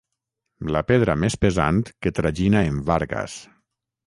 La pedra més pesant que tragina en Vargas.